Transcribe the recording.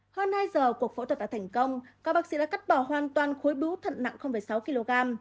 hơn hai giờ cuộc phẫu thuật đã thành công các bác sĩ đã cắt bỏ hoàn toàn khối bú thận nặng sáu kg